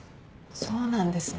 そうなんですね。